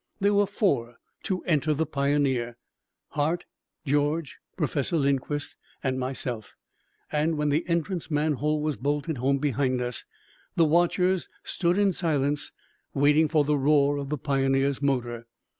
There were four to enter the Pioneer: Hart, George, Professor Lindquist, and myself. And when the entrance manhole was bolted home behind us, the watchers stood in silence, waiting for the roar of the Pioneer's motor.